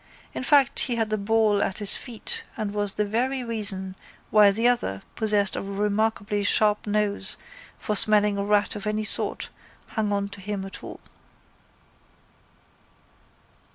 In fact, he had the ball at his feet and that was the very reason why the other, possessed of a remarkably sharp nose for smelling a rat of any sort, hung on to him at all.